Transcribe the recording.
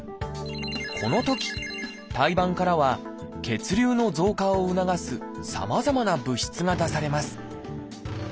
このとき胎盤からは血流の増加を促すさまざまな物質が出されます。